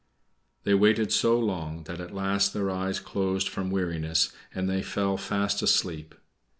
They waited so long, that at last their eyes closed from weariness, and they fell fast asleep.